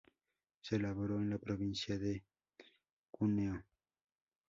Se elabora en la provincia de Cuneo.